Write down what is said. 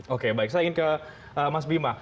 oke baik saya ingin ke mas bima